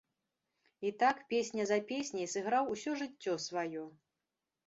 І так, песня за песняй, сыграў усё жыццё сваё.